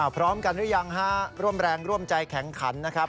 พร้อมกันหรือยังฮะร่วมแรงร่วมใจแข็งขันนะครับ